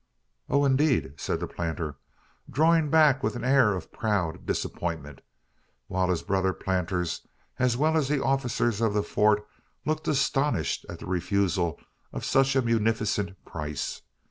"Oh, indeed!" said the planter, drawing back with an air of proud disappointment; while his brother planters, as well as the officers of the Fort, looked astonished at the refusal of such a munificent price.